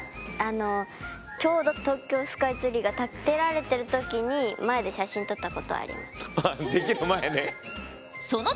あのちょうど東京スカイツリーが建てられてる時に前で写真撮ったことあります。